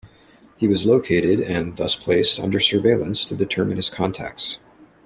He was located and thus placed under surveillance to determine his contacts.